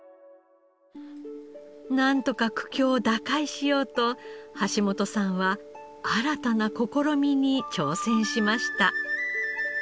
なんとか苦境を打開しようと橋本さんは新たな試みに挑戦しました。